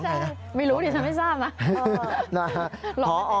ค่ะไม่รู้ดิฉันไม่ทราบนะลองให้เต็มนะฮะ